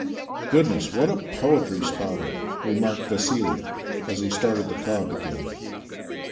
" Goodness, what a poetry spouter! " remarked Vassili as he started the cob again.